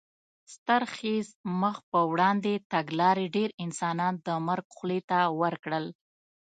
ستر خېز مخ په وړاندې تګلارې ډېر انسانان د مرګ خولې ته ور کړل.